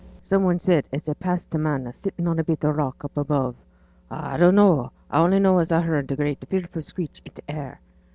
Some one said as they passed t' man a sittin' on a bit on a rock up above a dunnot know, a only know as a heared a great fearful screech i' t' air.